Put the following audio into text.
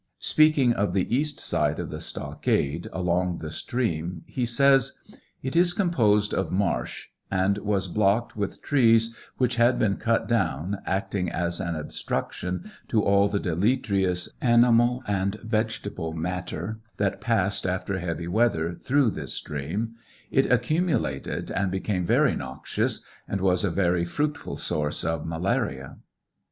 Speaking of the east side of the stockade along the stream, he says : It is composed of marsh, and was blocked with trees which had been cut down, acting as an obstruction to all the deleterious animal and vegetable matter that passed after heavy weather through this stream ; it accumulated and became very noxious, and was a very fruitful source of malaria.